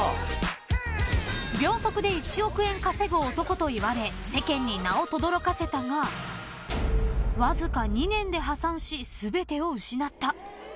［といわれ世間に名をとどろかせたがわずか２年で破産し全てを失った］